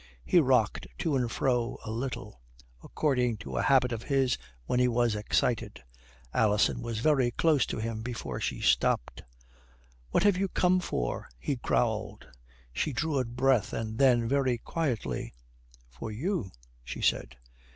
He rocked to and fro a little, according to a habit of his when he was excited. Alison was very close to him before she stopped. "What have you come for?" he growled. She drew a breath, and then, very quietly, "For you," she said.